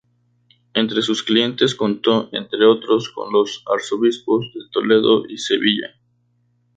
Entre sus clientes contó entre otros con los arzobispos de Toledo y Sevilla.